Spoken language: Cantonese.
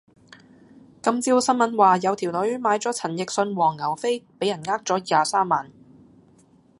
今朝新聞話有條女買陳奕迅黃牛飛俾人呃咗廿三萬